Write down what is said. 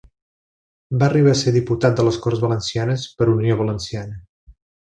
Va arribar a ser diputat a les Corts Valencianes per Unió Valenciana.